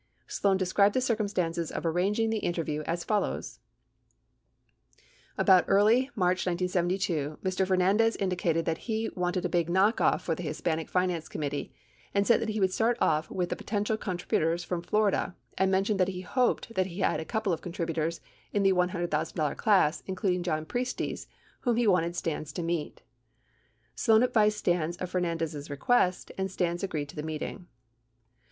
Sloan described the circumstances of arranging the interview as follows : About early March 1972 Mr. Fernandez indicated that he wanted a big kickoff for the Hispanic Finance Committee and said that he would start off with the potential contribu tors from Florida and mentioned that ho hoped that he had a couple of contributors in the $100,000 class, including John Priestes, whom he wanted Stans to meet. 85 Sloan advised Stans of Fernandez' request, and Stans agreed to the meeting.